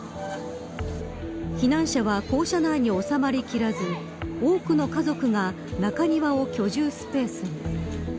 避難者は校舎内に収まりきらず多くの家族が中庭を居住スペースに。